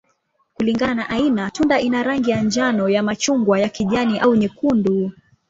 Kulingana na aina, tunda ina rangi ya njano, ya machungwa, ya kijani, au nyekundu.